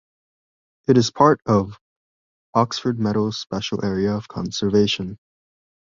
It is part of Oxford Meadows Special Area of Conservation.